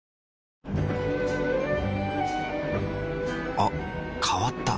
あ変わった。